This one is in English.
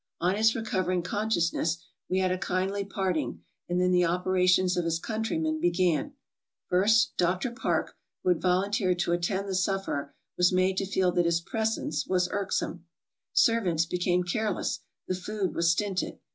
On his recovering consciousness we had a kindly parting, and then the operations of his countrymen began. First, Dr. Parke, who had volunteered to attend the sufferer, was made to feel that his presence was irksome. Servants became careless ; the food was stinted.